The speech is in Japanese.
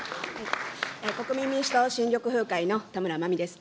国民民主党・新緑風会の田村まみです。